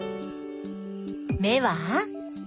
目は？